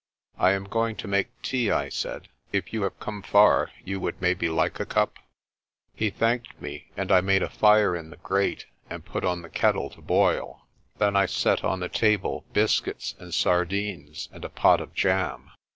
"I am going to make tea," I said. "If you have come far you would maybe like a cup?" He thanked me and I made a fire in the grate and put on the kettle to boil. Then I set on the table biscuits, and sardines, and a pot of jam.